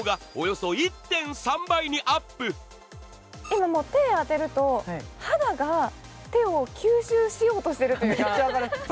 今、手を当てると肌が手を吸収しようとしてるというか。